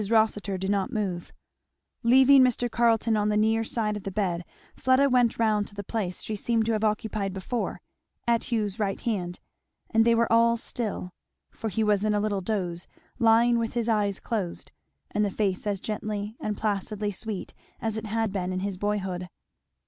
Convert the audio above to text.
Rossitur did not move. Leaving Mr. Carleton on the near side of the bed Fleda went round to the place she seemed to have occupied before, at Hugh's right hand; and they were all still, for he was in a little doze, lying with his eyes closed, and the face as gently and placidly sweet as it had been in his boyhood.